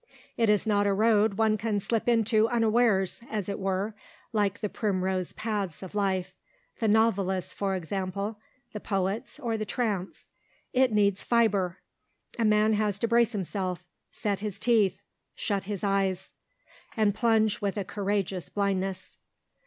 It is not a road one can slip into unawares, as it were, like the primrose paths of life the novelist's, for example, the poet's, or the tramp's. It needs fibre; a man has to brace himself, set his teeth, shut his eyes, and plunge with a courageous blindness.